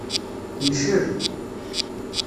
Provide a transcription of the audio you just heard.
Ncel.